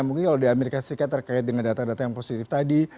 mungkin kalau di amerika serikat terkait dengan data data yang positif tadi